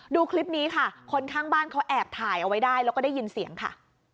ดูคลิปนี้ค่ะคนข้างบ้านเขาแอบถ่ายเอาไว้ได้แล้วก็ได้ยินเสียงค่ะ